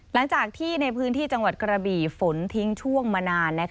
หลังจากที่ในพื้นที่จังหวัดกระบี่ฝนทิ้งช่วงมานาน